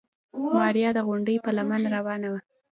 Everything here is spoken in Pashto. ماريا د غونډۍ په لمنه روانه وه.